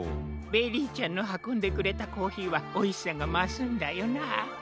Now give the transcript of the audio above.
ベリーちゃんのはこんでくれたコーヒーはおいしさがますんだよなあ。